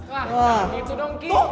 wah gitu dong ki